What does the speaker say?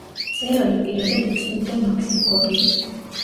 მწერალი პირადად იცნობდა მაქსიმ გორკის.